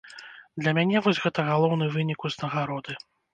Для мяне вось гэта галоўны вынік узнагароды.